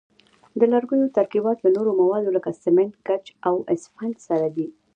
د لرګیو ترکیبات له نورو موادو لکه سمنټ، ګچ او اسفنج سره دي.